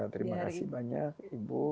terima kasih banyak ibu